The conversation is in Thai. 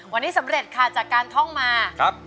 วันนี้สำเร็จค่ะจากการท่องมา